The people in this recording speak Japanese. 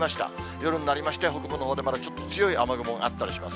夜になりまして、北部のほうでまだちょっと強い雨雲があったりします。